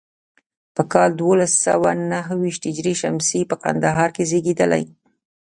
په کال دولس سوه نهو ویشت هجري شمسي په کندهار کې زیږېدلی.